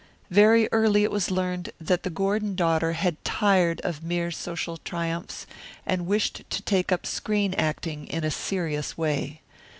Very early it was learned that the Gordon daughter had tired of mere social triumphs and wished to take up screen acting in a serious way.